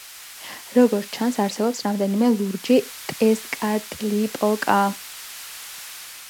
როგორც ჩანს, არსებობს რამდენიმე ლურჯი ტეზკატლიპოკა.